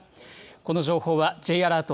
この情報は、Ｊアラート